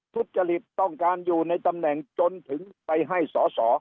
ทุจริตต้องการอยู่ในตำแหน่งจนถึงไปให้สอสอ